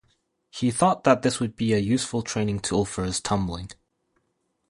He thought that this would be a useful training tool for his tumbling.